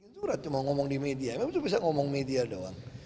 surat cuma ngomong di media memang sudah bisa ngomong media doang